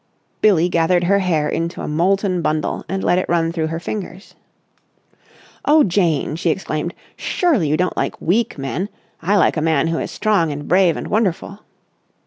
Billie gathered her hair into a molten bundle and let it run through her fingers. "Oh, Jane!" she exclaimed. "Surely you don't like weak men. I like a man who is strong and brave and wonderful."